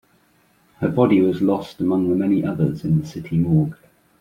Her body was lost among the many others in the city morgue.